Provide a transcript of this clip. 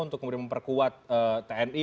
untuk memperkuat tni